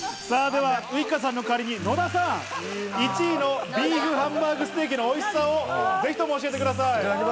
ではウイカさんの代わりに野田さん、１位のＢＥＥＦハンバーグステーキのおいしさをぜひとも教えてください。